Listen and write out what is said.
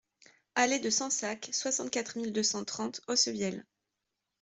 Allée de Sensacq, soixante-quatre mille deux cent trente Aussevielle